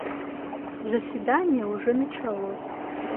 Заседание уже началось.